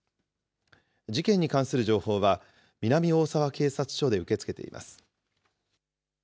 事件に関する情報は、南大沢警察署で受け付けています。